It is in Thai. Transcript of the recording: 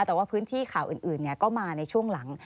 แต่ว่าพื้นที่ข่าวอื่นก็มาในช่วงหลัง